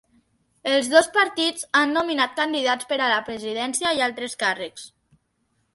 Els dos partits han nominat candidats per a la presidència i altres càrrecs.